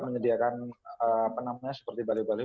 menyediakan apa namanya seperti balai balai